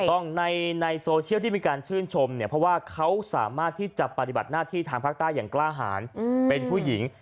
ต้องในโซเชียลที่มีการชื่นชมเนี่ยเพราะว่าเขาสามารถที่จะปฏิบัติหน้าที่ทางภาคใต้อย่างกล้าหารเป็นผู้หญิง